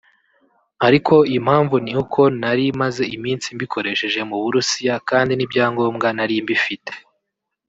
ariko impamvu ni uko nari maze iminsi mbikoresheje mu Burusiya kandi n’ibyangombwa nari mbifite